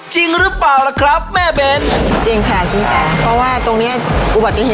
จริงหรือเปล่าล่ะครับแม่เบนจริงค่ะสินแส